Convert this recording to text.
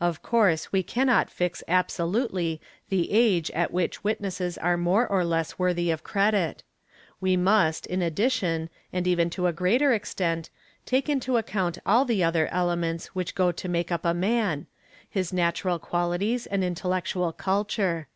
Of course we cannot fix absolutely the age at which witnesses are more or *" worthy of credit; we must in addition and even to a greater extent i ake into account all the other elements which go to make up a man, his : natural qualities and intellectual culture.